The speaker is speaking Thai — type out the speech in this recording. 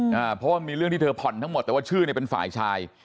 เพราะว่ามีเรื่องที่เธอผ่อนทั้งหมดแต่ว่าชื่อเนี่ยเป็นฝ่ายชาย